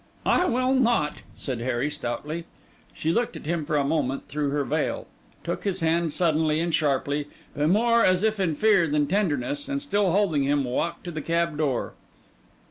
'I will not,' said Harry stoutly. She looked at him for a moment through her veil; took his hand suddenly and sharply, but more as if in fear than tenderness; and still holding him, walked to the cab door.